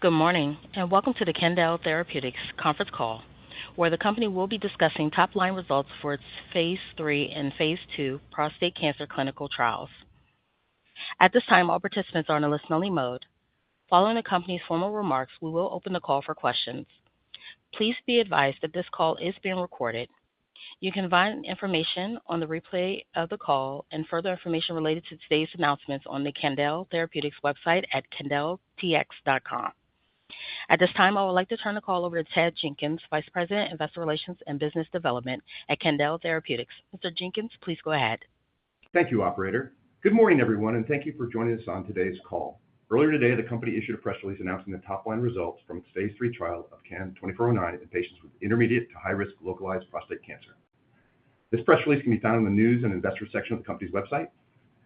Good morning and welcome to the Candel Therapeutics conference call, where the company will be discussing top-line results for its phase III and phase II prostate cancer clinical trials. At this time, all participants are in a listening mode. Following the company's formal remarks, we will open the call for questions. Please be advised that this call is being recorded. You can find information on the replay of the call and further information related to today's announcements on the Candel Therapeutics website at candeltx.com. At this time, I would like to turn the call over to Ted Jenkins, Vice President, Investor Relations and Business Development at Candel Therapeutics. Mr. Jenkins, please go ahead. Thank you, Operator. Good morning, everyone, and thank you for joining us on today's call. Earlier today, the company issued a press release announcing the top-line results from the phase III trial of CAN-2409 in patients with intermediate to high-risk localized prostate cancer. This press release can be found in the news and investor section of the company's website.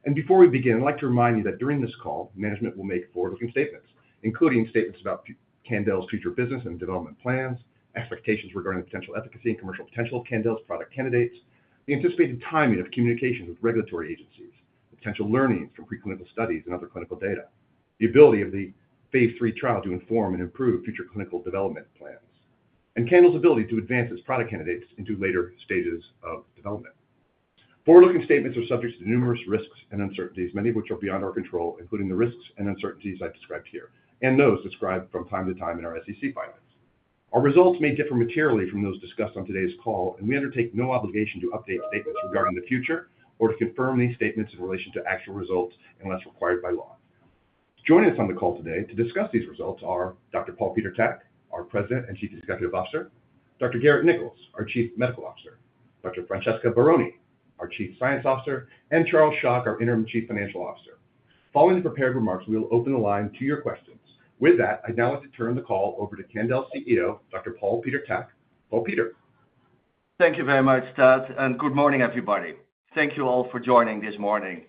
And before we begin, I'd like to remind you that during this call, management will make forward-looking statements, including statements about Candel's future business and development plans, expectations regarding the potential efficacy and commercial potential of Candel's product candidates, the anticipated timing of communication with regulatory agencies, potential learnings from preclinical studies and other clinical data, the ability of the phase III trial to inform and improve future clinical development plans, and Candel's ability to advance its product candidates into later stages of development. Forward-looking statements are subject to numerous risks and uncertainties, many of which are beyond our control, including the risks and uncertainties I described here and those described from time to time in our SEC filings. Our results may differ materially from those discussed on today's call, and we undertake no obligation to update statements regarding the future or to confirm these statements in relation to actual results unless required by law. Joining us on the call today to discuss these results are Dr. Paul Peter Tak, our President and Chief Executive Officer, Dr. Garrett Nichols, our Chief Medical Officer, Dr. Francesca Barone, our Chief Science Officer, and Charles Schoch, our Interim Chief Financial Officer. Following the prepared remarks, we will open the line to your questions. With that, I'd now like to turn the call over to Candel's CEO, Dr. Paul Peter Tak. Paul Peter. Thank you very much, Ted, and good morning, everybody. Thank you all for joining this morning.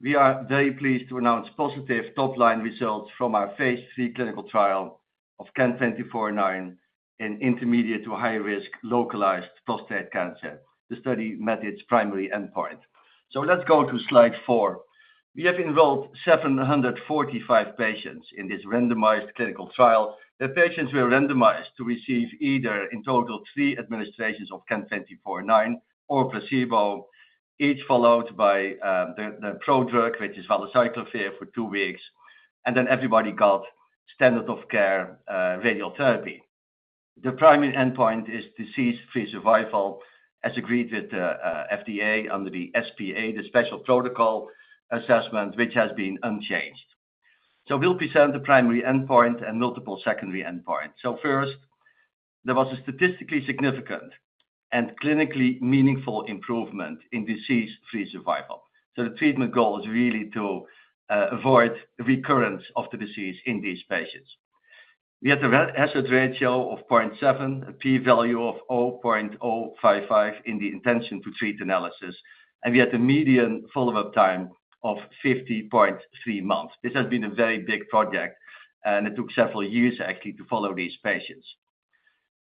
We are very pleased to announce positive top-line results from our phase III clinical trial of CAN-2409 in intermediate to high-risk localized prostate cancer. The study met its primary endpoint, so let's go to slide four. We have enrolled 745 patients in this randomized clinical trial. The patients were randomized to receive either, in total, three administrations of CAN-2409 or placebo, each followed by the pro-drug, which is valacyclovir, for two weeks, and then everybody got standard of care radiotherapy. The primary endpoint is disease-free survival, as agreed with the FDA under the SPA, the Special Protocol Assessment, which has been unchanged, so we'll present the primary endpoint and multiple secondary endpoints, so first, there was a statistically significant and clinically meaningful improvement in disease-free survival. The treatment goal is really to avoid recurrence of the disease in these patients. We had a hazard ratio of 0.7, a p-value of 0.055 in the intention to treat analysis, and we had a median follow-up time of 50.3 months. This has been a very big project, and it took several years, actually, to follow these patients.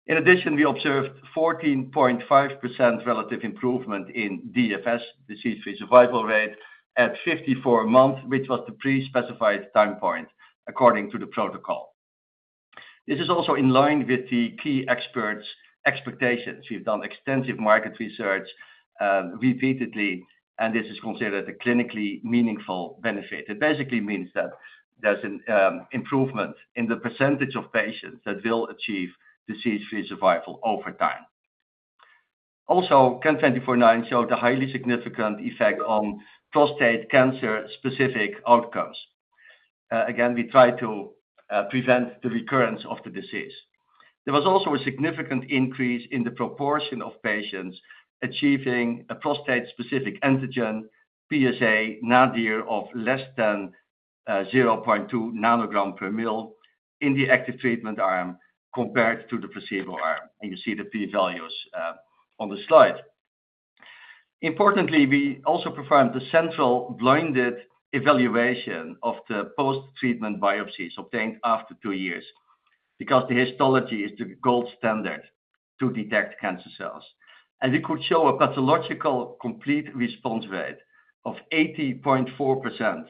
In addition, we observed 14.5% relative improvement in DFS, disease-free survival rate, at 54 months, which was the pre-specified time point according to the protocol. This is also in line with the key experts' expectations. We've done extensive market research repeatedly, and this is considered a clinically meaningful benefit. It basically means that there's an improvement in the percentage of patients that will achieve disease-free survival over time. Also, CAN-2409 showed a highly significant effect on prostate cancer-specific outcomes. Again, we try to prevent the recurrence of the disease. There was also a significant increase in the proportion of patients achieving a prostate-specific antigen, PSA, nadir of less than 0.2 nanogram per mL in the active treatment arm compared to the placebo arm, and you see the p-values on the slide. Importantly, we also performed a central blinded evaluation of the post-treatment biopsies obtained after two years because the histology is the gold standard to detect cancer cells, and it could show a pathological complete response rate of 80.4%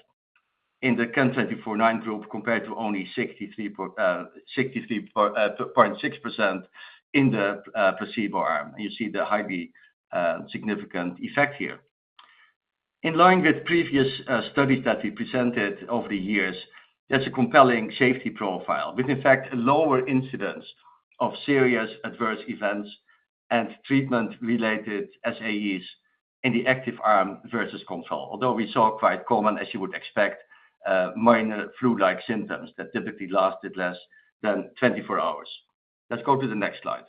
in the CAN-2409 group compared to only 63.6% in the placebo arm, and you see the highly significant effect here. In line with previous studies that we presented over the years, there's a compelling safety profile with, in fact, a lower incidence of serious adverse events and treatment-related SAEs in the active arm versus control, although we saw quite common, as you would expect, minor flu-like symptoms that typically lasted less than 24 hours. Let's go to the next slide.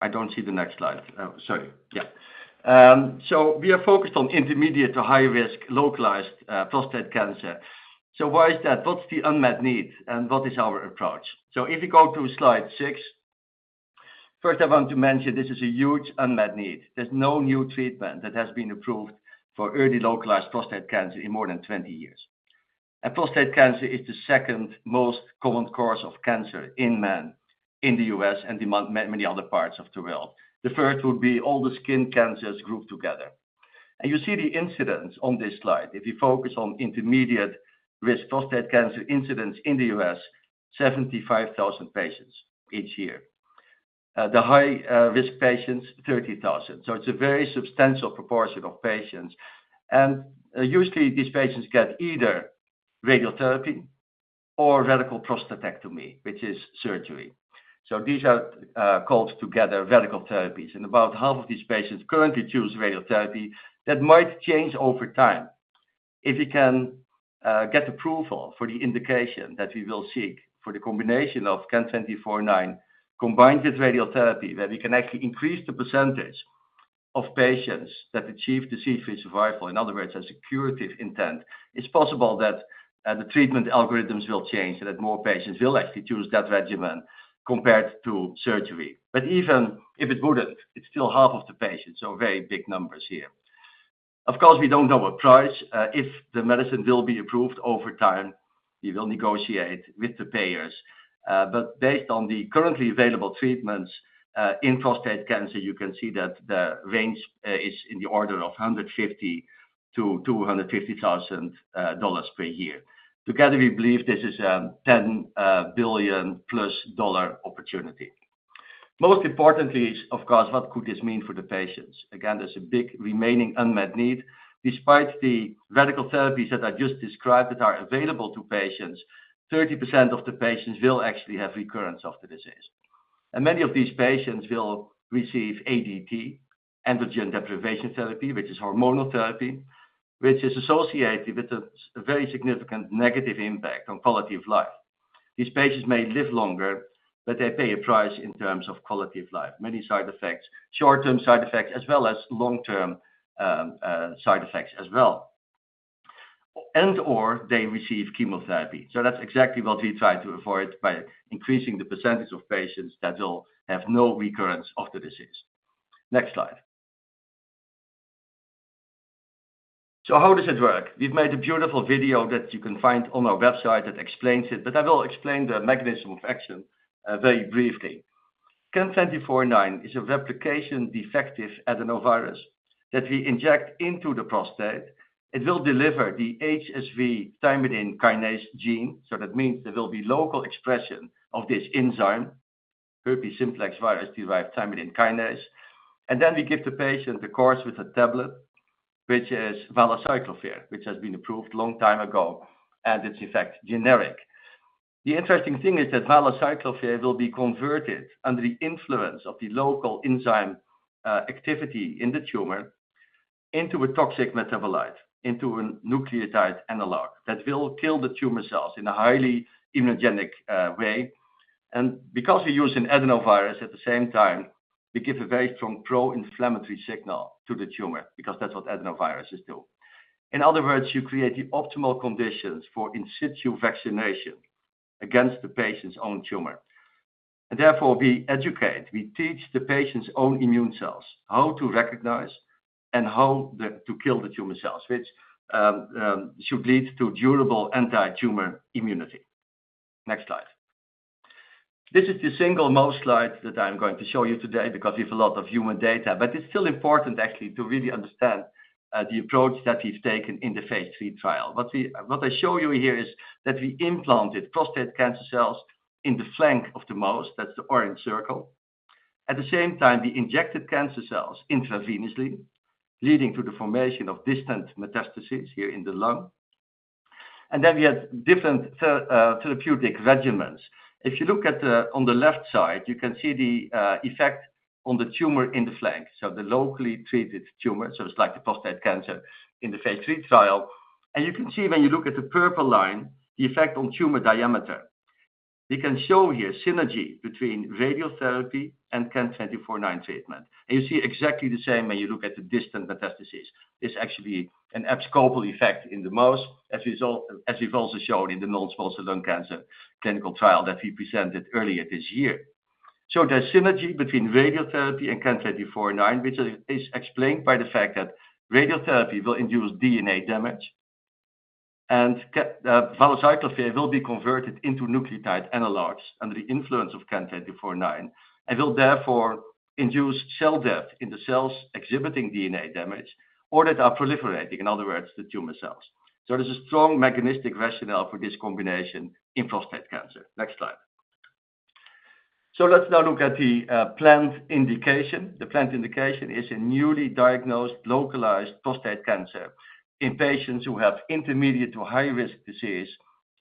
I don't see the next slide. Sorry. Yeah. So we are focused on intermediate to high-risk localized prostate cancer. So why is that? What's the unmet need, and what is our approach? So if you go to slide six, first, I want to mention this is a huge unmet need. There's no new treatment that has been approved for early localized prostate cancer in more than 20 years. Prostate cancer is the second most common cause of cancer in men in the U.S. and in many other parts of the world. The third would be all the skin cancers grouped together. You see the incidence on this slide. If you focus on intermediate-risk prostate cancer incidence in the U.S., 75,000 patients each year. The high-risk patients, 30,000. So it's a very substantial proportion of patients. Usually, these patients get either radiotherapy or radical prostatectomy, which is surgery. So these are called together radical therapies. About half of these patients currently choose radiotherapy. That might change over time. If we can get approval for the indication that we will seek for the combination of CAN-2409 combined with radiotherapy, where we can actually increase the percentage of patients that achieve disease-free survival, in other words, a curative intent, it's possible that the treatment algorithms will change and that more patients will actually choose that regimen compared to surgery. But even if it wouldn't, it's still half of the patients, so very big numbers here. Of course, we don't know a price. If the medicine will be approved over time, we will negotiate with the payers. But based on the currently available treatments in prostate cancer, you can see that the range is in the order of $150,000-$250,000 per year. Together, we believe this is a $10 billion+ opportunity. Most importantly, of course, what could this mean for the patients? Again, there's a big remaining unmet need. Despite the radical therapies that I just described that are available to patients, 30% of the patients will actually have recurrence of the disease, and many of these patients will receive ADT, androgen deprivation therapy, which is hormonal therapy, which is associated with a very significant negative impact on quality of life. These patients may live longer, but they pay a price in terms of quality of life, many side effects, short-term side effects, as well as long-term side effects as well, and/or they receive chemotherapy, so that's exactly what we try to avoid by increasing the percentage of patients that will have no recurrence of the disease. Next slide. So how does it work? We've made a beautiful video that you can find on our website that explains it, but I will explain the mechanism of action very briefly. CAN-2409 is a replication defective adenovirus that we inject into the prostate. It will deliver the HSV thymidine kinase gene, so that means there will be local expression of this enzyme, herpes simplex virus derived thymidine kinase, and then we give the patient the course with a tablet, which is valacyclovir, which has been approved a long time ago, and it's, in fact, generic. The interesting thing is that valacyclovir will be converted under the influence of the local enzyme activity in the tumor into a toxic metabolite, into a nucleotide analog that will kill the tumor cells in a highly immunogenic way, and because we're using adenovirus at the same time, we give a very strong pro-inflammatory signal to the tumor because that's what adenoviruses do. In other words, you create the optimal conditions for in situ vaccination against the patient's own tumor. Therefore, we educate, we teach the patient's own immune cells how to recognize and how to kill the tumor cells, which should lead to durable anti-tumor immunity. Next slide. This is the single most slide that I'm going to show you today because we have a lot of human data. It's still important, actually, to really understand the approach that we've taken in the phase III trial. What I show you here is that we implanted prostate cancer cells in the flank of the mouse, that's the orange circle. At the same time, we injected cancer cells intravenously, leading to the formation of distant metastases here in the lung. Then we had different therapeutic regimens. If you look at the left side, you can see the effect on the tumor in the flank, so the locally treated tumor, so it's like the prostate cancer in the phase III trial. You can see when you look at the purple line, the effect on tumor diameter. We can show here synergy between radiotherapy and CAN-2409 treatment. You see exactly the same when you look at the distant metastases. There's actually an abscopal effect in the mouse, as we've also shown in the non-small cell lung cancer clinical trial that we presented earlier this year. So there's synergy between radiotherapy and CAN-2409, which is explained by the fact that radiotherapy will induce DNA damage, and valacyclovir will be converted into nucleotide analogs under the influence of CAN-2409 and will therefore induce cell death in the cells exhibiting DNA damage or that are proliferating, in other words, the tumor cells. So there's a strong mechanistic rationale for this combination in prostate cancer. Next slide. So let's now look at the planned indication. The planned indication is a newly diagnosed localized prostate cancer in patients who have intermediate to high-risk disease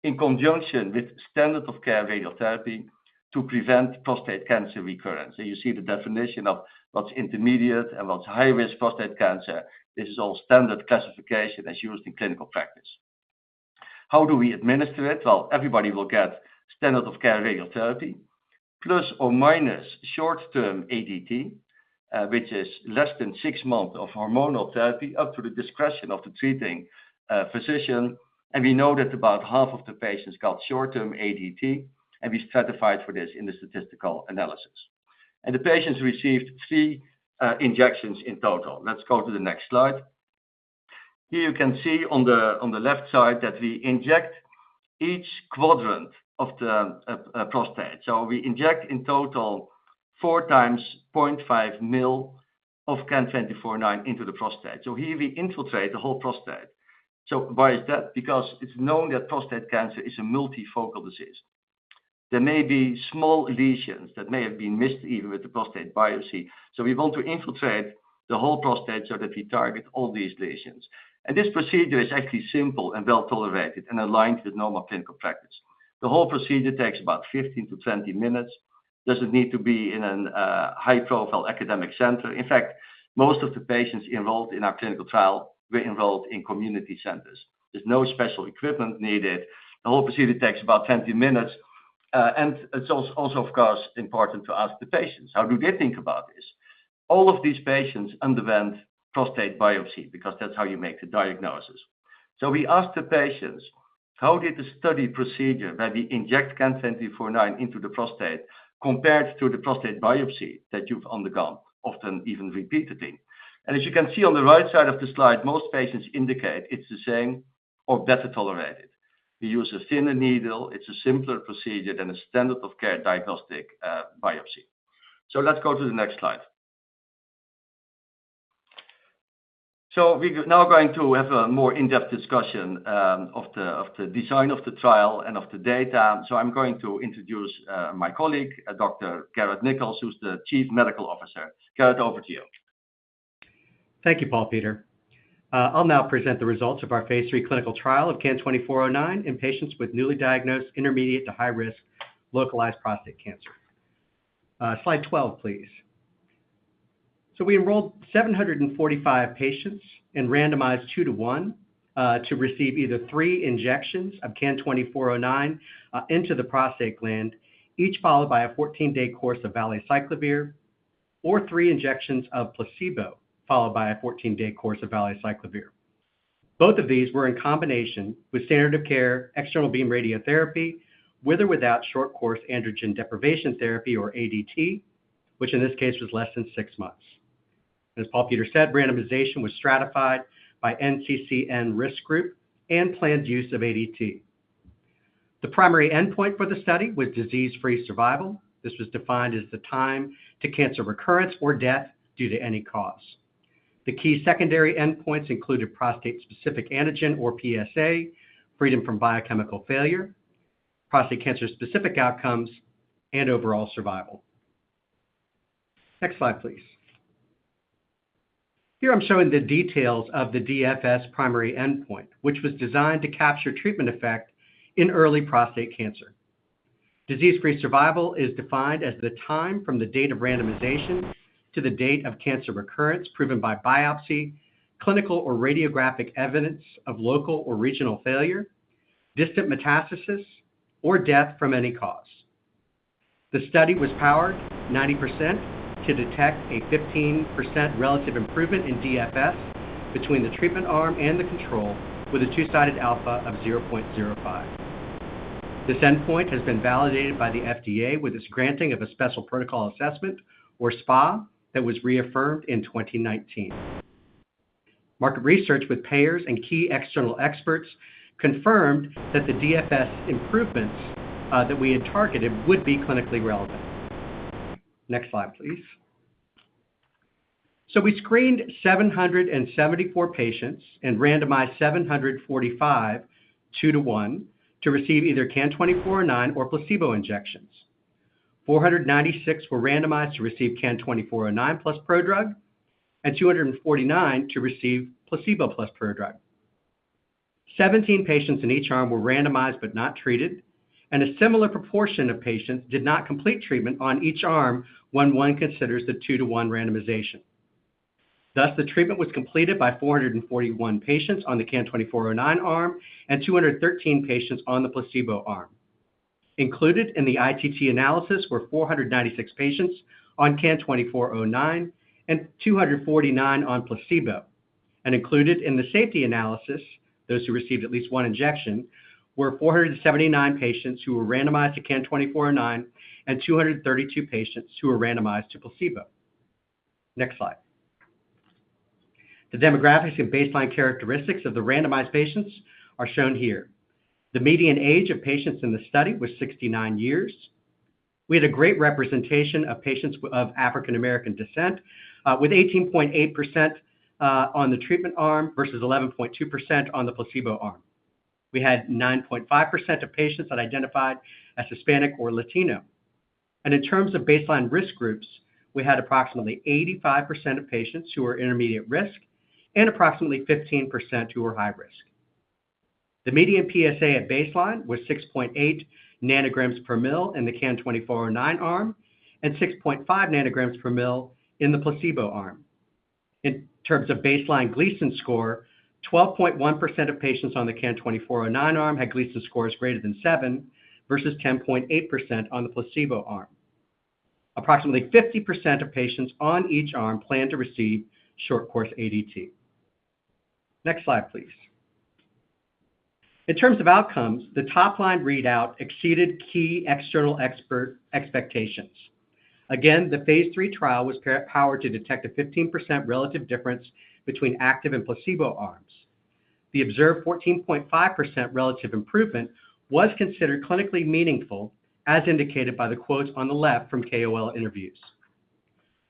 in conjunction with standard of care radiotherapy to prevent prostate cancer recurrence. And you see the definition of what's intermediate and what's high-risk prostate cancer. This is all standard classification as used in clinical practice. How do we administer it? Everybody will get standard of care radiotherapy plus or minus short-term ADT, which is less than six months of hormonal therapy up to the discretion of the treating physician. We know that about half of the patients got short-term ADT, and we stratified for this in the statistical analysis. The patients received three injections in total. Let's go to the next slide. Here you can see on the left side that we inject each quadrant of the prostate. We inject in total four times 0.5 mL of CAN-2409 into the prostate. Here we infiltrate the whole prostate. Why is that? Because it's known that prostate cancer is a multifocal disease. There may be small lesions that may have been missed even with the prostate biopsy. We want to infiltrate the whole prostate so that we target all these lesions. And this procedure is actually simple and well tolerated and aligned with normal clinical practice. The whole procedure takes about 15-20 minutes. It doesn't need to be in a high-profile academic center. In fact, most of the patients involved in our clinical trial were involved in community centers. There's no special equipment needed. The whole procedure takes about 20 minutes. And it's also, of course, important to ask the patients, how do they think about this? All of these patients underwent prostate biopsy because that's how you make the diagnosis. So we asked the patients, how did the study procedure where we inject CAN-2409 into the prostate compare to the prostate biopsy that you've undergone, often even repeatedly? And as you can see on the right side of the slide, most patients indicate it's the same or better tolerated. We use a thinner needle. It's a simpler procedure than a standard of care diagnostic biopsy. So let's go to the next slide. So we're now going to have a more in-depth discussion of the design of the trial and of the data. So I'm going to introduce my colleague, Dr. Garrett Nichols, who's the Chief Medical Officer. Garrett, over to you. Thank you, Paul Peter. I'll now present the results of our phase III clinical trial of CAN-2409 in patients with newly diagnosed intermediate to high-risk localized prostate cancer. Slide 12, please. So we enrolled 745 patients and randomized two to one to receive either three injections of CAN-2409 into the prostate gland, each followed by a 14-day course of valacyclovir, or three injections of placebo followed by a 14-day course of valacyclovir. Both of these were in combination with standard of care external beam radiotherapy with or without short-course androgen deprivation therapy or ADT, which in this case was less than six months. As Paul Peter said, randomization was stratified by NCCN risk group and planned use of ADT. The primary endpoint for the study was disease-free survival. This was defined as the time to cancer recurrence or death due to any cause. The key secondary endpoints included prostate-specific antigen or PSA, freedom from biochemical failure, prostate cancer-specific outcomes, and overall survival. Next slide, please. Here I'm showing the details of the DFS primary endpoint, which was designed to capture treatment effect in early prostate cancer. Disease-free survival is defined as the time from the date of randomization to the date of cancer recurrence proven by biopsy, clinical or radiographic evidence of local or regional failure, distant metastasis, or death from any cause. The study was powered 90% to detect a 15% relative improvement in DFS between the treatment arm and the control with a two-sided alpha of 0.05. This endpoint has been validated by the FDA with its granting of a special protocol assessment or SPA that was reaffirmed in 2019. Market research with payers and key external experts confirmed that the DFS improvements that we had targeted would be clinically relevant. Next slide, please. So we screened 774 patients and randomized 745 two to one to receive either CAN-2409 or placebo injections. 496 were randomized to receive CAN-2409 plus prodrug and 249 to receive placebo plus prodrug. 17 patients in each arm were randomized but not treated, and a similar proportion of patients did not complete treatment on each arm when one considers the two to one randomization. Thus, the treatment was completed by 441 patients on the CAN-2409 arm and 213 patients on the placebo arm. Included in the ITT analysis were 496 patients on CAN-2409 and 249 on placebo. Included in the safety analysis, those who received at least one injection were 479 patients who were randomized to CAN-2409 and 232 patients who were randomized to placebo. Next slide. The demographics and baseline characteristics of the randomized patients are shown here. The median age of patients in the study was 69 years. We had a great representation of patients of African-American descent with 18.8% on the treatment arm versus 11.2% on the placebo arm. We had 9.5% of patients that identified as Hispanic or Latino, and in terms of baseline risk groups, we had approximately 85% of patients who were intermediate risk and approximately 15% who were high risk. The median PSA at baseline was 6.8 nanograms per mL in the CAN-2409 arm and 6.5 nanograms per mL in the placebo arm. In terms of baseline Gleason score, 12.1% of patients on the CAN-2409 arm had Gleason scores greater than seven versus 10.8% on the placebo arm. Approximately 50% of patients on each arm planned to receive short-course ADT. Next slide, please. In terms of outcomes, the top-line readout exceeded key external expectations. Again, the phase III trial was powered to detect a 15% relative difference between active and placebo arms. The observed 14.5% relative improvement was considered clinically meaningful, as indicated by the quotes on the left from KOL interviews.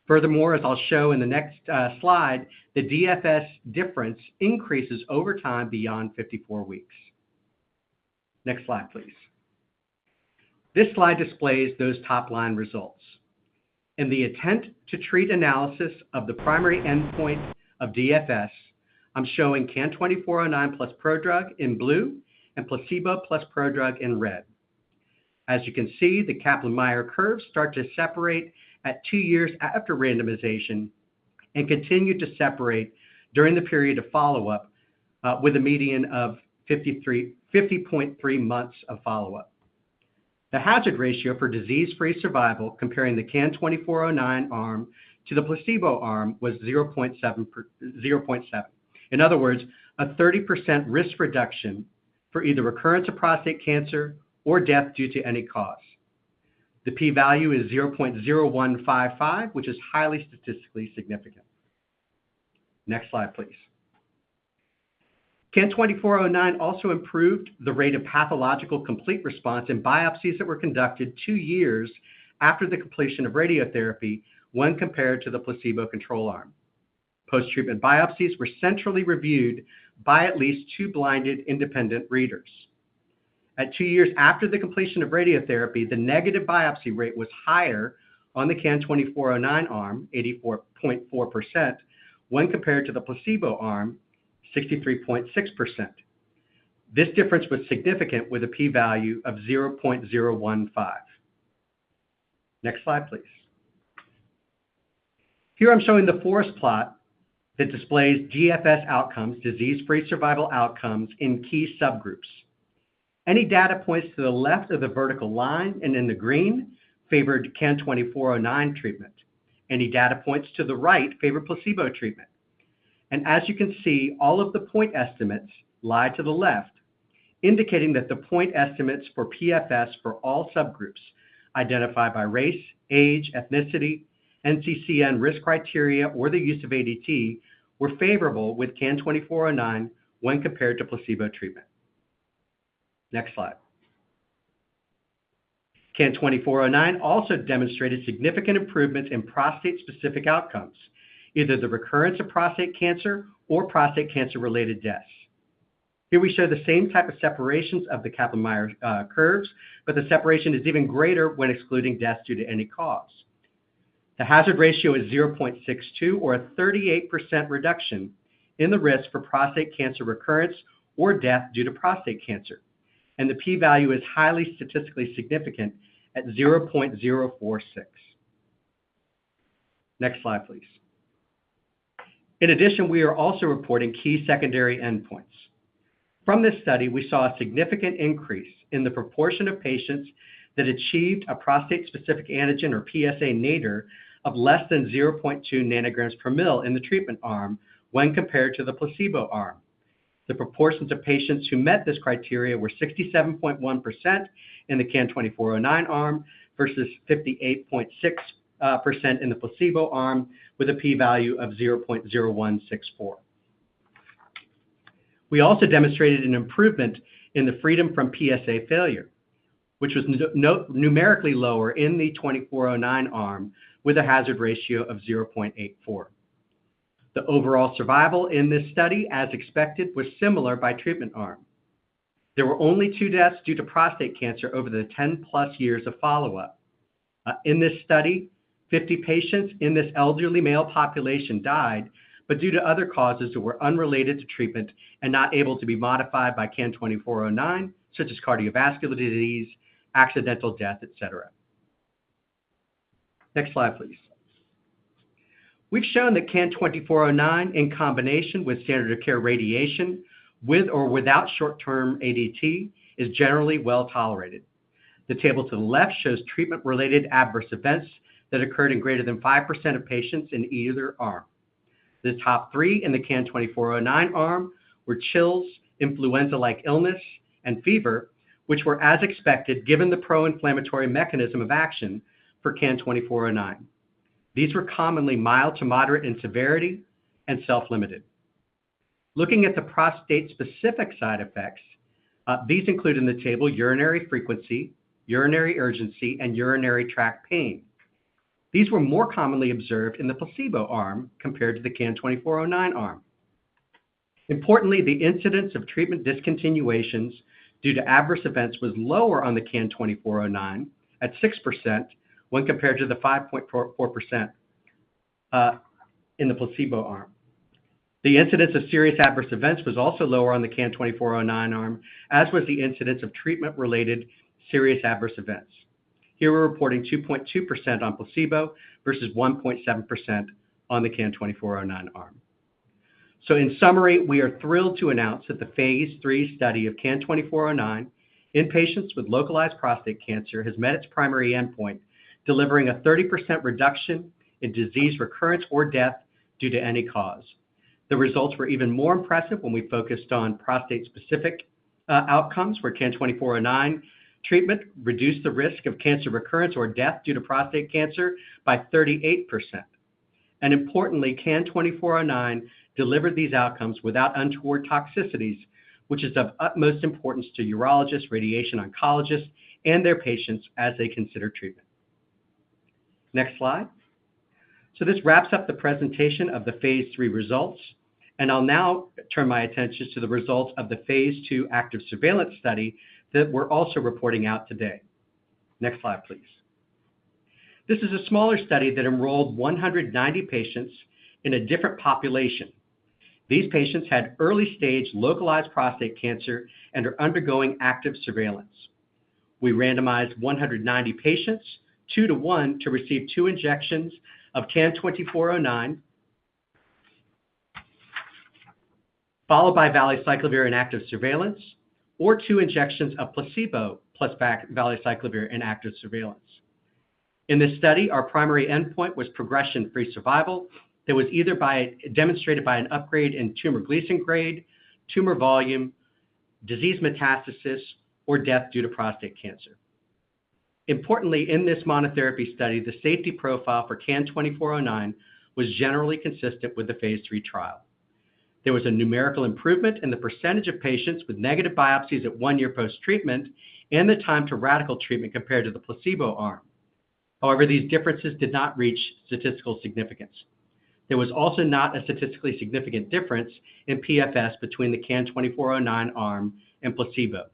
Furthermore, as I'll show in the next slide, the DFS difference increases over time beyond 54 weeks. Next slide, please. This slide displays those top-line results. In the intention-to-treat analysis of the primary endpoint of DFS, I'm showing CAN-2409 plus prodrug in blue and placebo plus prodrug in red. As you can see, the Kaplan-Meier curves start to separate at two years after randomization and continue to separate during the period of follow-up with a median of 50.3 months of follow-up. The hazard ratio for disease-free survival comparing the CAN-2409 arm to the placebo arm was 0.7. In other words, a 30% risk reduction for either recurrence of prostate cancer or death due to any cause. The p-value is 0.0155, which is highly statistically significant. Next slide, please. CAN-2409 also improved the rate of pathological complete response in biopsies that were conducted two years after the completion of radiotherapy when compared to the placebo control arm. Post-treatment biopsies were centrally reviewed by at least two blinded independent readers. At two years after the completion of radiotherapy, the negative biopsy rate was higher on the CAN-2409 arm, 84.4%, when compared to the placebo arm, 63.6%. This difference was significant with a p-value of 0.015. Next slide, please. Here I'm showing the forest plot that displays DFS outcomes, disease-free survival outcomes in key subgroups. Any data points to the left of the vertical line and in the green favored CAN-2409 treatment. Any data points to the right favored placebo treatment. As you can see, all of the point estimates lie to the left, indicating that the point estimates for PFS for all subgroups identified by race, age, ethnicity, NCCN risk criteria, or the use of ADT were favorable with CAN-2409 when compared to placebo treatment. Next slide. CAN-2409 also demonstrated significant improvements in prostate-specific outcomes, either the recurrence of prostate cancer or prostate cancer-related deaths. Here we show the same type of separations of the Kaplan-Meier curves, but the separation is even greater when excluding death due to any cause. The hazard ratio is 0.62, or a 38% reduction in the risk for prostate cancer recurrence or death due to prostate cancer. The p-value is highly statistically significant at 0.046. Next slide, please. In addition, we are also reporting key secondary endpoints. From this study, we saw a significant increase in the proportion of patients that achieved a prostate-specific antigen or PSA nadir of less than 0.2 nanograms per mL in the treatment arm when compared to the placebo arm. The proportions of patients who met this criteria were 67.1% in the CAN-2409 arm versus 58.6% in the placebo arm with a p-value of 0.0164. We also demonstrated an improvement in the freedom from PSA failure, which was numerically lower in the 2409 arm with a hazard ratio of 0.84. The overall survival in this study, as expected, was similar by treatment arm. There were only two deaths due to prostate cancer over the 10+ years of follow-up. In this study, 50 patients in this elderly male population died, but due to other causes that were unrelated to treatment and not able to be modified by CAN-2409, such as cardiovascular disease, accidental death, etc. Next slide, please. We've shown that CAN-2409 in combination with standard of care radiation with or without short-term ADT is generally well tolerated. The table to the left shows treatment-related adverse events that occurred in greater than 5% of patients in either arm. The top three in the CAN-2409 arm were chills, influenza-like illness, and fever, which were as expected given the pro-inflammatory mechanism of action for CAN-2409. These were commonly mild to moderate in severity and self-limited. Looking at the prostate-specific side effects, these include in the table urinary frequency, urinary urgency, and urinary tract pain. These were more commonly observed in the placebo arm compared to the CAN-2409 arm. Importantly, the incidence of treatment discontinuations due to adverse events was lower on the CAN-2409 at 6% when compared to the 5.4% in the placebo arm. The incidence of serious adverse events was also lower on the CAN-2409 arm, as was the incidence of treatment-related serious adverse events. Here we're reporting 2.2% on placebo versus 1.7% on the CAN-2409 arm. So in summary, we are thrilled to announce that the phase III study of CAN-2409 in patients with localized prostate cancer has met its primary endpoint, delivering a 30% reduction in disease recurrence or death due to any cause. The results were even more impressive when we focused on prostate-specific outcomes, where CAN-2409 treatment reduced the risk of cancer recurrence or death due to prostate cancer by 38%. Importantly, CAN-2409 delivered these outcomes without untoward toxicities, which is of utmost importance to urologists, radiation oncologists, and their patients as they consider treatment. Next slide. This wraps up the presentation of the phase III results. I'll now turn my attention to the results of the phase II active surveillance study that we're also reporting out today. Next slide, please. This is a smaller study that enrolled 190 patients in a different population. These patients had early-stage localized prostate cancer and are undergoing active surveillance. We randomized 190 patients two to one to receive two injections of CAN-2409 followed by valacyclovir in active surveillance or two injections of placebo plus valacyclovir in active surveillance. In this study, our primary endpoint was progression-free survival that was either demonstrated by an upgrade in tumor Gleason grade, tumor volume, disease metastasis, or death due to prostate cancer. Importantly, in this monotherapy study, the safety profile for CAN-2409 was generally consistent with the phase III trial. There was a numerical improvement in the percentage of patients with negative biopsies at one year post-treatment and the time to radical treatment compared to the placebo arm. However, these differences did not reach statistical significance. There was also not a statistically significant difference in PFS between the CAN-2409 arm and placebo.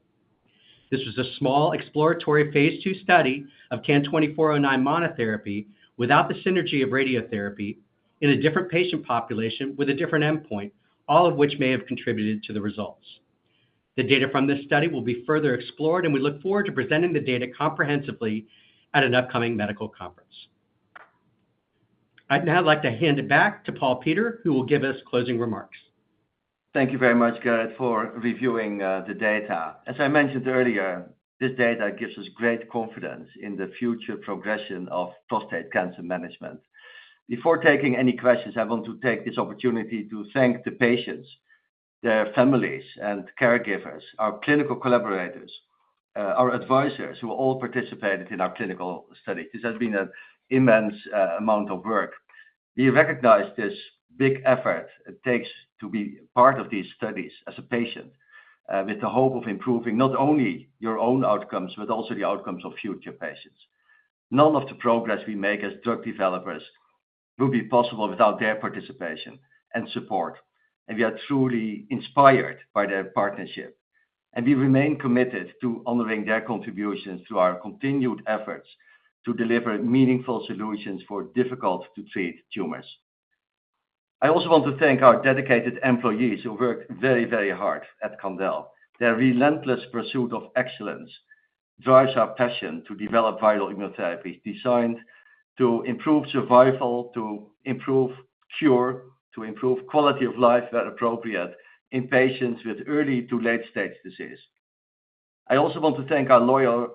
This was a small exploratory phase II study of CAN-2409 monotherapy without the synergy of radiotherapy in a different patient population with a different endpoint, all of which may have contributed to the results. The data from this study will be further explored, and we look forward to presenting the data comprehensively at an upcoming medical conference. I'd now like to hand it back to Paul Peter, who will give us closing remarks. Thank you very much, Garrett, for reviewing the data. As I mentioned earlier, this data gives us great confidence in the future progression of prostate cancer management. Before taking any questions, I want to take this opportunity to thank the patients, their families, and caregivers, our clinical collaborators, our advisors who all participated in our clinical study. This has been an immense amount of work. We recognize this big effort it takes to be part of these studies as a patient with the hope of improving not only your own outcomes, but also the outcomes of future patients. None of the progress we make as drug developers will be possible without their participation and support. And we are truly inspired by their partnership. And we remain committed to honoring their contributions to our continued efforts to deliver meaningful solutions for difficult-to-treat tumors. I also want to thank our dedicated employees who work very, very hard at Candel. Their relentless pursuit of excellence drives our passion to develop vital immunotherapies designed to improve survival, to improve cure, to improve quality of life where appropriate in patients with early to late-stage disease. I also want to thank our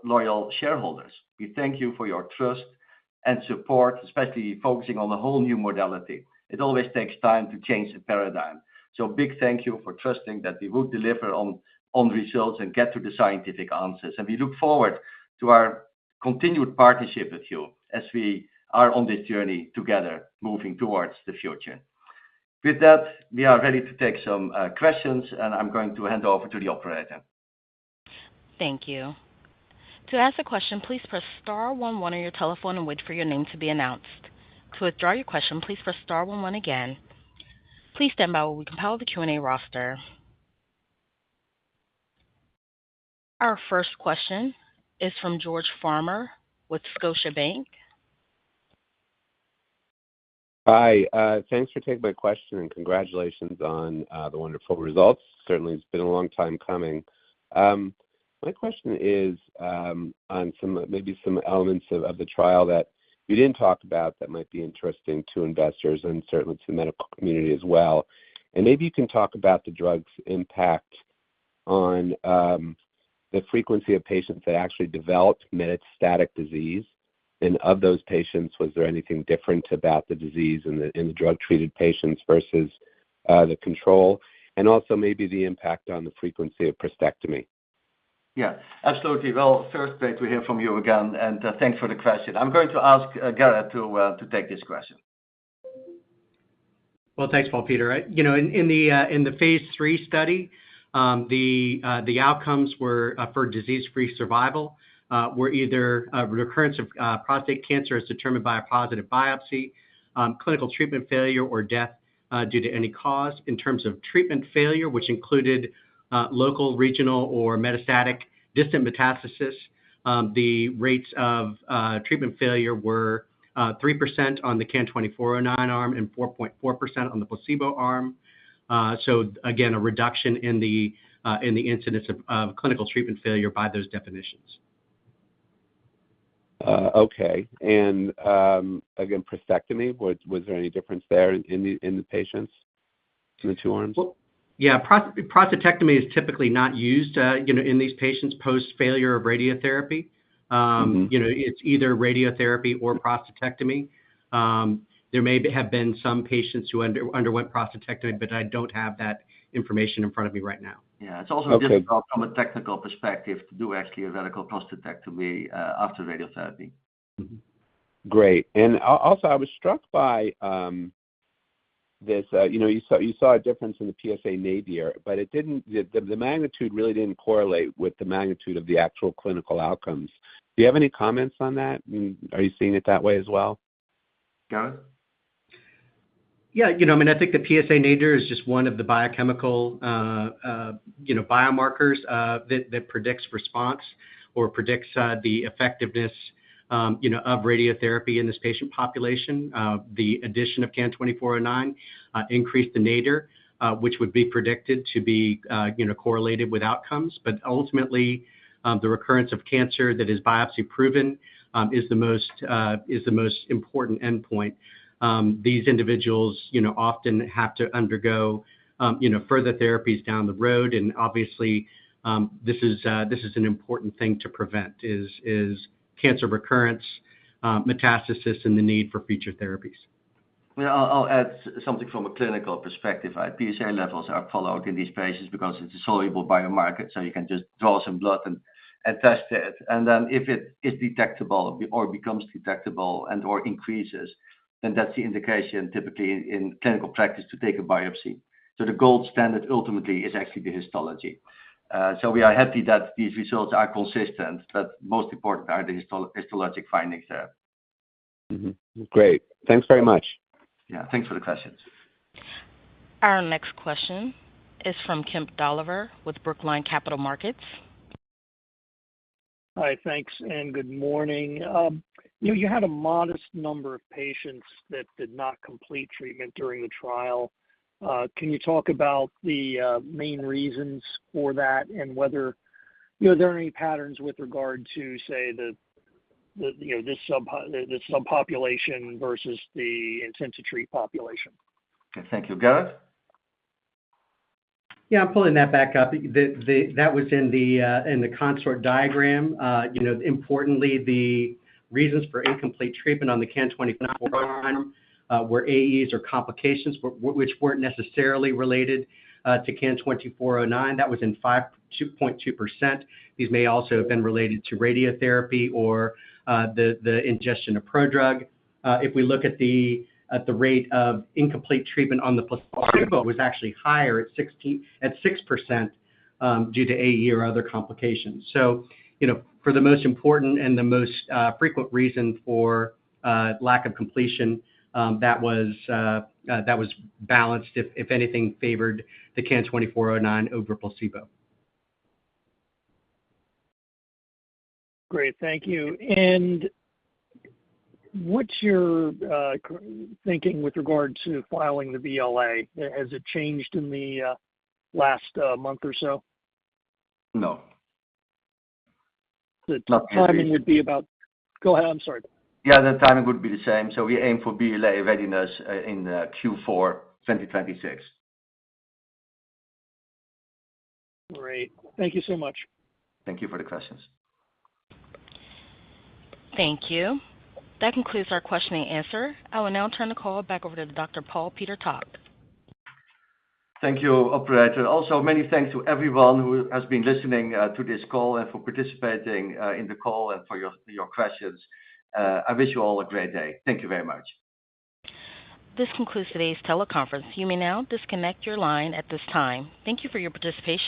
loyal shareholders. We thank you for your trust and support, especially focusing on a whole new modality. It always takes time to change the paradigm. So a big thank you for trusting that we will deliver on results and get to the scientific answers. And we look forward to our continued partnership with you as we are on this journey together moving towards the future. With that, we are ready to take some questions, and I'm going to hand over to the operator. Thank you. To ask a question, please press star one one on your telephone and wait for your name to be announced. To withdraw your question, please press star one one again. Please stand by while we compile the Q&A roster. Our first question is from George Farmer with Scotiabank. Hi. Thanks for taking my question and congratulations on the wonderful results. Certainly, it's been a long time coming. My question is on maybe some elements of the trial that we didn't talk about that might be interesting to investors and certainly to the medical community as well. And maybe you can talk about the drug's impact on the frequency of patients that actually developed metastatic disease. And of those patients, was there anything different about the disease in the drug-treated patients versus the control? And also maybe the impact on the frequency of prostatectomy. Yeah. Absolutely. First, great to hear from you again. And thanks for the question. I'm going to ask Garrett to take this question. Thanks, Paul Peter. In the phase III study, the outcomes for disease-free survival were either recurrence of prostate cancer as determined by a positive biopsy, clinical treatment failure, or death due to any cause. In terms of treatment failure, which included local, regional, or metastatic distant metastasis, the rates of treatment failure were 3% on the CAN-2409 arm and 4.4% on the placebo arm. Again, a reduction in the incidence of clinical treatment failure by those definitions. Okay. And again, prostatectomy, was there any difference there in the patients in the two arms? Yeah. Prostatectomy is typically not used in these patients post-failure of radiotherapy. It's either radiotherapy or prostatectomy. There may have been some patients who underwent prostatectomy, but I don't have that information in front of me right now. Yeah. It's also difficult from a technical perspective to do actually a radical prostatectomy after radiotherapy. Great. And also, I was struck by this. You saw a difference in the PSA nadir, but the magnitude really didn't correlate with the magnitude of the actual clinical outcomes. Do you have any comments on that? Are you seeing it that way as well? Yeah. I mean, I think the PSA nadir is just one of the biochemical biomarkers that predicts response or predicts the effectiveness of radiotherapy in this patient population. The addition of CAN-2409 increased the nadir, which would be predicted to be correlated with outcomes. But ultimately, the recurrence of cancer that is biopsy-proven is the most important endpoint. These individuals often have to undergo further therapies down the road. And obviously, this is an important thing to prevent: cancer recurrence, metastasis, and the need for future therapies. I'll add something from a clinical perspective. PSA levels are followed in these patients because it's a soluble biomarker. So you can just draw some blood and test it. And then if it is detectable or becomes detectable and/or increases, then that's the indication typically in clinical practice to take a biopsy. So the gold standard ultimately is actually the histology. So we are happy that these results are consistent, but most important are the histologic findings there. Great. Thanks very much. Yeah. Thanks for the questions. Our next question is from Kemp Dolliver with Brookline Capital Markets. Hi. Thanks. And good morning. You had a modest number of patients that did not complete treatment during the trial. Can you talk about the main reasons for that and whether there are any patterns with regard to, say, this subpopulation versus the intensive treatment population? Thank you. Garrett? Yeah. I'm pulling that back up. That was in the CONSORT diagram. Importantly, the reasons for incomplete treatment on the CAN-2409 were AEs or complications which weren't necessarily related to CAN-2409. That was in 5.2%. These may also have been related to radiotherapy or the ingestion of ProDrug. If we look at the rate of incomplete treatment on the placebo, it was actually higher at 6% due to AE or other complications. So for the most important and the most frequent reason for lack of completion, that was balanced, if anything, favored the CAN-2409 over placebo. Great. Thank you. And what's your thinking with regard to filing the VLA? Has it changed in the last month or so? No. The timing would be about. Go ahead. I'm sorry. Yeah. The timing would be the same. So we aim for VLA readiness in Q4 2026. Great. Thank you so much. Thank you for the questions. Thank you. That concludes our question and answer. I will now turn the call back over to Dr. Paul Peter Tak. Thank you, Operator. Also, many thanks to everyone who has been listening to this call and for participating in the call and for your questions. I wish you all a great day. Thank you very much. This concludes today's teleconference. You may now disconnect your line at this time. Thank you for your participation.